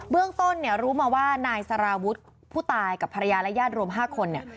เรื่องต้นเนี่ยรู้มาว่านายสารวุฒิผู้ตายกับภรรยาและญาติรวม๕คนเนี่ย